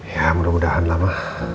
ya mudah mudahanlah ma